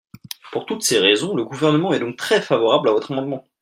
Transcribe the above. Pour toutes ces raisons, le Gouvernement est donc très favorable à votre amendement.